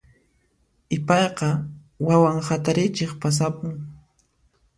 Ipayqa wawan hatarichiq pasapun.